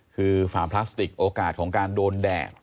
คือฝาพลาสติกโอกาสของการโดนแดด